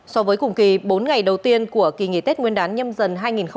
so với cùng kỳ bốn ngày đầu tiên của kỳ nghỉ tết nguyên đán nhâm dần hai nghìn hai mươi ba